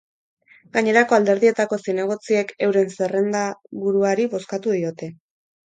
Gainerako alderdietako zinegotziek euren zerrendaburuari bozkatu diote.